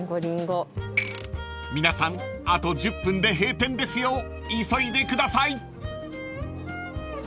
［皆さんあと１０分で閉店ですよ急いでください］